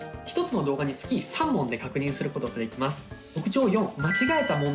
一つの動画につき３問で確認することができます。